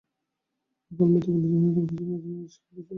অকালমৃত্যু বলা যাবে না, তবে কিছুদিন আগে পর্যন্ত বেশ সক্রিয় ছিলেন।